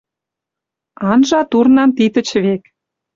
Анжа турнан Титыч век.